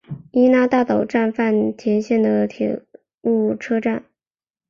伊那大岛站饭田线的铁路车站。